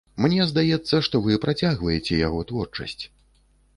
Мне здаецца, што вы працягваеце яго творчасць.